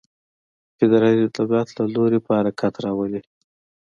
فدرالي دولت له لوري په حرکت راولي.